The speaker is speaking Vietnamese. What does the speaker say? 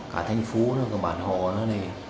cả thành phố cả bản hồ